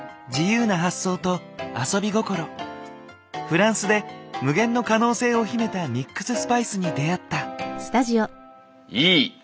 フランスで無限の可能性を秘めたミックススパイスに出会った。